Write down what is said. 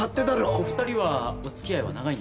おふたりはおつきあいは長いんですか？